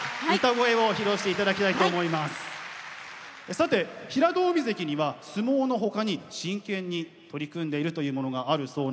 さて平戸海関には相撲の他に真剣に取り組んでいるというものがあるそうなんですね。